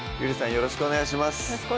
よろしくお願いします